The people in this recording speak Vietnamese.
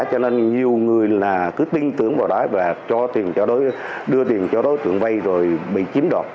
cho nên nhiều người cứ tin tưởng vào đó và đưa tiền cho đối tượng vây rồi bị chiếm đoạt